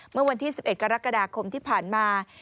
เมื่อวันที่๑๑กรกฎาคมที่ผ่านมา